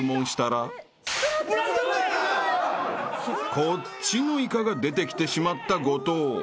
［こっちのイカが出てきてしまった後藤］